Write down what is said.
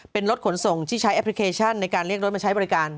เป็นรถขนส่งที่ใช้แอปพลิเคชันในการเรียกรถมาใช้บริการ